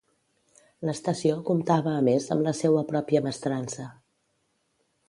L'estació comptava a més amb la seua pròpia mestrança.